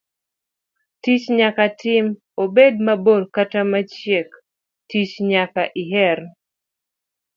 Tich nyaka tim, obed mabor kata machiek, tich nyaka iher.